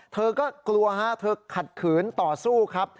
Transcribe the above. เธอก็กลัวฮะเธอขัดขืนต่อสู้ครับ